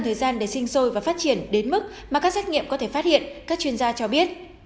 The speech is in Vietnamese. thời gian để sinh sôi và phát triển đến mức mà các xét nghiệm có thể phát hiện các chuyên gia cho biết